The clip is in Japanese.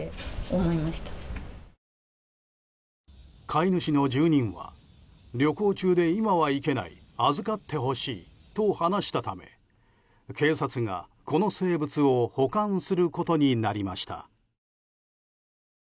飼い主の住人は旅行中で今は行けない預かってほしいと話したため警察がこの生物を保管することになりました。